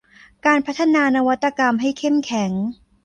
การพัฒนานวัตกรรมให้เข้มแข็ง